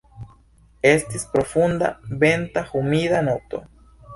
Estis profunda, venta, humida nokto.